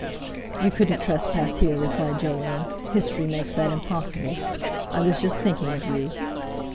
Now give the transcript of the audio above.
"You couldn't trespass here," replied Jolyon; "history makes that impossible. I was just thinking of you."